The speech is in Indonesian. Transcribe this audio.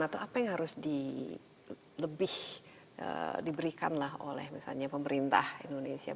atau apa yang harus diberikan oleh pemerintah indonesia